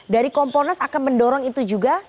dari komponas akan mendorong itu juga